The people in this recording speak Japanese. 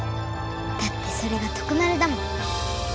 だってそれがトクマルだもん。